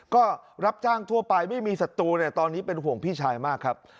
ก็รับจ้างทั่วไปไม่มีศัตรูเนี่ยตอนนี้เป็นห่วงพี่ชายมากครับ